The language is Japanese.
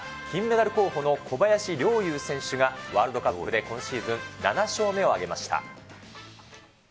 金メダル候補の小林陵侑選手が、ワールドカップで今シーズン７勝目を挙げました。